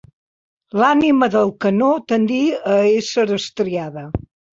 L'ànima del canó tendí a ésser estriada.